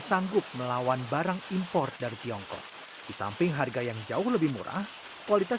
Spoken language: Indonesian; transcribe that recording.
sanggup melawan barang impor dari tiongkok di samping harga yang jauh lebih murah kualitas